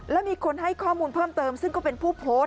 แล้วมีคนให้ข้อมูลเพิ่มเติมซึ่งก็เป็นผู้โพสต์